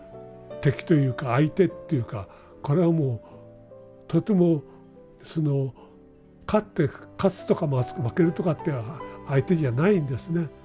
敵というか相手っていうかこれはもうとてもその勝つとか負けるとかって相手じゃないんですね。